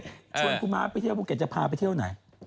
ชวนคุณม้าไปเที่ยวภูเก็ตจะพาไปเที่ยวไหน